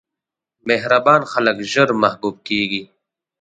مهربان خلک ژر محبوب کېږي.